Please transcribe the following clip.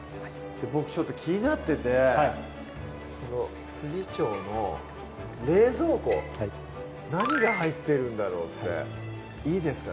僕ちょっと気になっててはい調の冷蔵庫何が入ってるんだろうっていいですか？